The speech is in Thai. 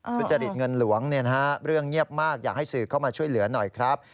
ทุจริตเงินหลวงเรื่องเงียบมากอยากให้สื่อเข้ามาช่วยเหลือหน่อยครับ